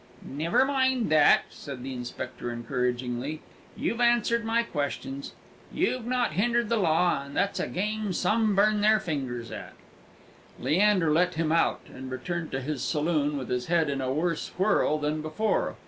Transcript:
"Never mind that," said the inspector, encouragingly; "you've answered my questions; you've not hindered the law, and that's a game some burn their fingers at." Leander let him out, and returned to his saloon with his head in a worse whirl than before.